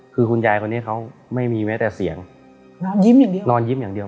คือคุณยายคนนี้เขาไม่มีแม้แต่เสียงนอนยิ้มอย่างเดียวนอนยิ้มอย่างเดียว